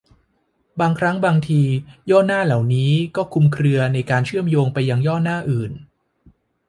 บางครั้งบางที ย่อหน้าเหล่านี้ก็คลุมเครือในการเชื่อมโยงไปยังย่อหน้าอื่น